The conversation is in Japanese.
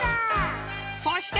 そして！